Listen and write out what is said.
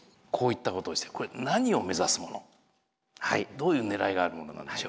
どういうねらいがあるものなんでしょう？